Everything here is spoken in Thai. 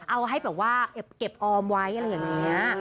เอาให้แบบว่าเก็บออมไว้อะไรอย่างนี้